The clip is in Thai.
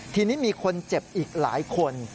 ทีนี้มีคนเจ็บอีกหลายคน